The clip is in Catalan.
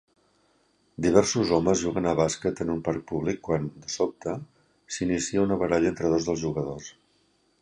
Diversos homes juguen a bàsquet en un parc públic quan, de sobte, s'inicia una baralla entre dos dels jugadors.